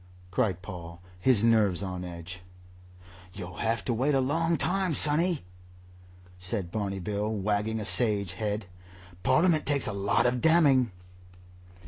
cried Paul, his nerves on edge. "You'll have to wait a long time, sonny," said Barney Bill, wagging a sage head. "Parliament takes a lot of damning."